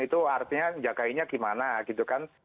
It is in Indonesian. itu artinya menjaganya gimana gitu kan